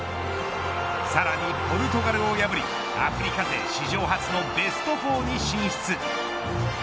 さらにポルトガルを破りアフリカ勢史上初のベスト４に進出。